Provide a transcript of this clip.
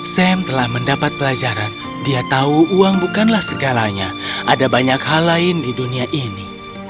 sam telah mendapat pelajaran dia tahu uang bukanlah segalanya ada banyak hal lain di dunia ini